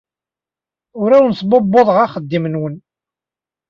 Ur awen-sbubbuḍeɣ axeddim-nwen.